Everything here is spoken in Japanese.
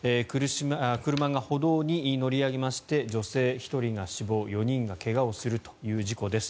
車が歩道に乗り上げまして女性１人が死亡４人が怪我をするという事故です。